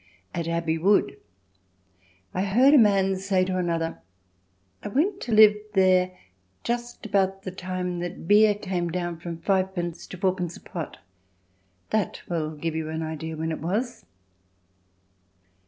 At Abbey Wood I heard a man say to another: "I went to live there just about the time that beer came down from 5d. to 4d. a pot. That will give you an idea when it was."